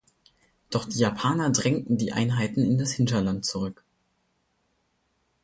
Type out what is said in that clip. Doch die Japaner drängten die Einheiten in das Hinterland zurück.